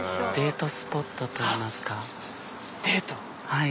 はい。